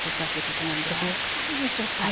これどうしたらいいんでしょうか？